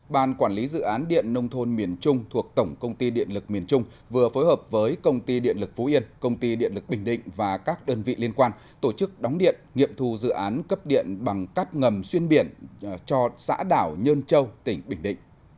ban quản lý dự án điện nông thôn miền trung thuộc tổng công ty điện lực miền trung vừa phối hợp với công ty điện lực phú yên công ty điện lực bình định và các đơn vị liên quan tổ chức đóng điện nghiệm thu dự án cấp điện bằng các ngầm xuyên biển cho xã đảo nhơn châu tỉnh bình định